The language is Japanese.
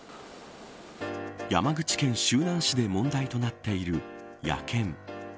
山口県周南市で問題となっている野犬。